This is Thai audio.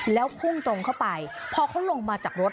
แล้วพุ่งตรงเข้าไปพอเขาลงมาจากรถ